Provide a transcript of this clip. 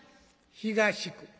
「東区」。